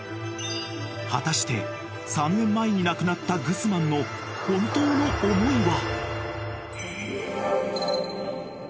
［果たして３年前に亡くなったグスマンの本当の思いは？］